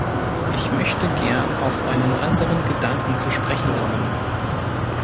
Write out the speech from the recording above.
Ich möchte gern auf einen anderen Gedanken zu sprechen kommen.